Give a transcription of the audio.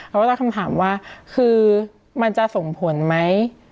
เขาก็ตั้งคำถามว่าคือมันจะส่งผลไหม